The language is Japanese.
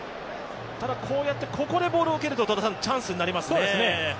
ただここでボールを蹴るとチャンスになりますね。